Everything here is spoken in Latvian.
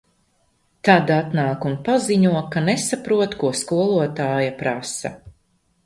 Tad atnāk un paziņo, ka nesaprot, ko skolotāja prasa.